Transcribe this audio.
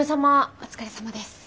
お疲れさまです。